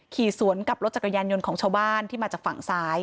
ขี่สวนกับรถจักรยานยนต์ของชาวบ้านที่มาจากฝั่งซ้าย